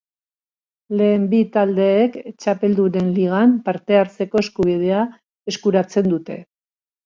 Lehen bi taldeek Txapeldunen Ligan parte hartzeko eskubidea eskuratzen dute.